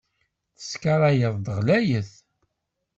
Teskaray-d ɣlayet.